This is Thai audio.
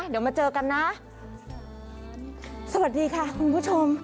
เดี๋ยวมาเจอกันนะสวัสดีค่ะคุณผู้ชม